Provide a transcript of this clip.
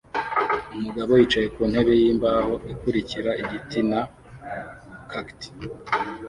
Umugabo yicaye ku ntebe yimbaho ikurikira igiti na cacti